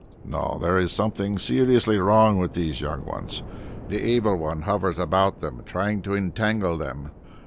No, there is something seriously wrong with these young ones. The Evil One hovers about them trying to entangle them.